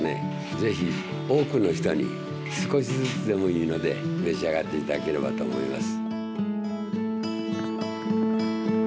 ぜひ多くの人に少しずつでもいいので召し上がっていただければと思います。